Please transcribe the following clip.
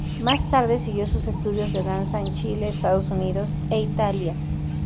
Más tarde siguió sus estudios de danza en Chile, Estados Unidos e Italia.